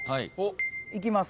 いきます。